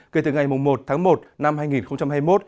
kể từ ngày một tháng một năm hai nghìn hai mươi một